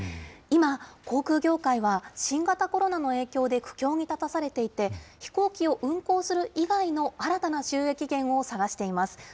今、航空業界は新型コロナの影響で苦境に立たされていて、飛行機を運航する以外の新たな収益源を探しています。